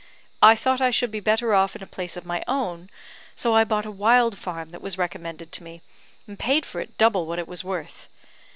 I thought I should be better off in a place of my own, so I bought a wild farm that was recommended to me, and paid for it double what it was worth.